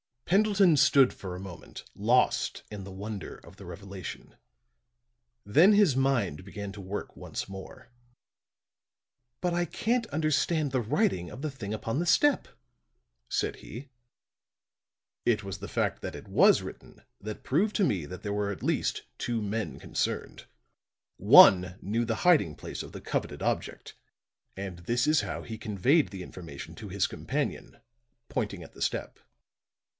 Pendleton stood for a moment, lost in the wonder of the revelation; then his mind began to work once more. "But I can't understand the writing of the thing upon the step," said he. "It was the fact that it was written that proved to me that there were at least two men concerned. One knew the hiding place of the coveted object; and this is how he conveyed the information to his companion," pointing to the step.